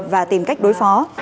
và tìm cách đối phó